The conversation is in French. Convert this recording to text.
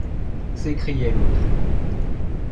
s’écriait l’autre.